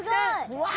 うわ！